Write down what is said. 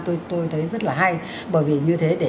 tôi thấy rất là hay bởi vì như thế để